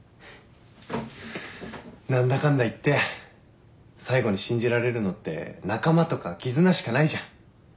何だかんだ言って最後に信じられるのって仲間とか絆しかないじゃん。